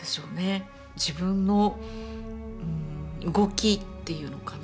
自分の動きっていうのかな